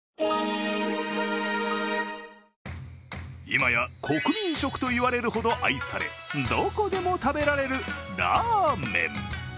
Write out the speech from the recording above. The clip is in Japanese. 今や国民食といわれるほど愛されどこでも食べられるラーメン。